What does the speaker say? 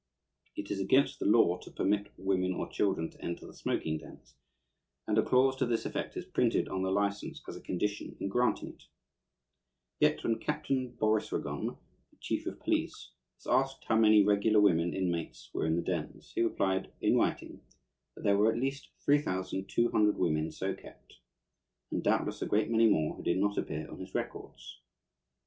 It is against the law to permit women or children to enter the smoking dens, and a clause to this effect is printed on the license as a condition in granting it; yet when Captain Borisragon, the chief of police, was asked how many regular women inmates were in the dens, he replied, in writing, that there were at least 3,200 women so kept, and doubtless a great many more who did not appear on his records.